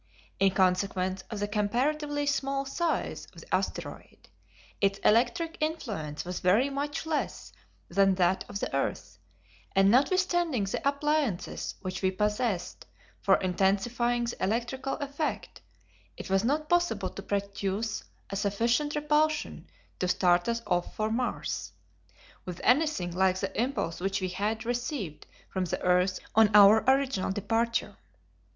In consequence of the comparatively small size of the asteroid, its electric influence was very much less than that of the earth, and notwithstanding the appliances which we possessed for intensifying the electrical effect, it was not possible to produce a sufficient repulsion to start us off for Mars with anything like the impulse which we had received from the earth on our original departure.